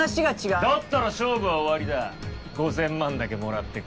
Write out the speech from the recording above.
だったら勝負は終わりだ５，０００万だけもらってく。